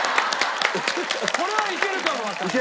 これはいけるかもわからない。